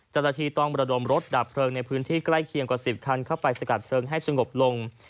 เจ้าหน้าที่ต้องระดมรถดับเพลิงในพื้นที่ใกล้เคียงกว่า๑๐คันเข้าไปสกัดเพลิงให้สงบลง